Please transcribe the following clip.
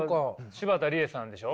柴田理恵さんでしょ？